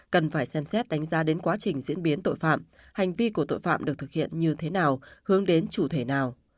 cần phải xem xét đánh giá đến quá trình diễn biến tội phạm hành vi của tội phạm được thực hiện như thế nào hướng đến chủ thể nào